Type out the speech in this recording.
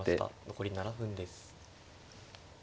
残り７分です。